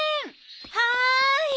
はい。